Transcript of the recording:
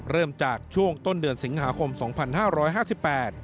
เริ่มจากช่วงต้นเดือนสิงหาคมสองพันห้าร้อยห้าสิบแปด